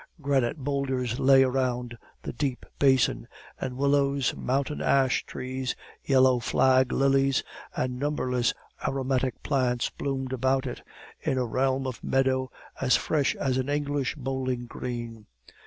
Granite boulders lay around the deep basin, and willows, mountain ash trees, yellow flag lilies, and numberless aromatic plants bloomed about it, in a realm of meadow as fresh as an English bowling green.